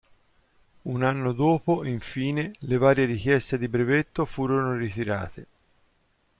Un anno dopo, infine, le varie richieste di brevetto furono ritirate.